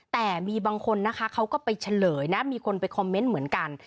แต่บางคนเค้าก็ไปเฉลยมีคนไปคอมเมนต์เหมือนกัน